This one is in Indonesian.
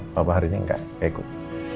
papa hari ini gak kegug